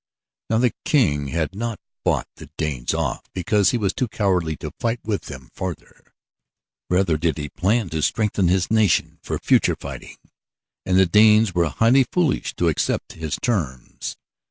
Now the young King had not bought the Danes off because he was too cowardly to fight with them further rather did he plan to strengthen his nation for future fighting, and the Danes were highly foolish to accept his terms.